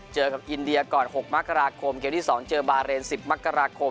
เจอกับอินเดียก่อน๖มกราคมเกมที่๒เจอบาเรน๑๐มกราคม